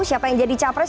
siapa yang jadi capres